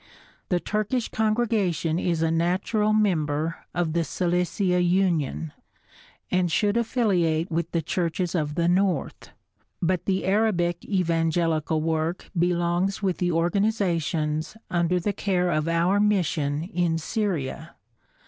The Turkish congregation is a natural member of the Cilicia Union and should affiliate with the churches of the north, but the Arabic evangelical work belongs with the organizations under the care of our mission in Syria.